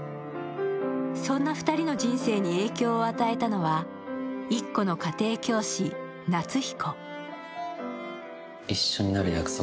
そんな２人の人生に影響を与えたのはイッコの家庭教師・夏彦。